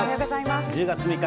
１０月６日